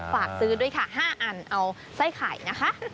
ฝากซื้อด้วยค่ะ๕อันเอาไส้ไข่นะคะ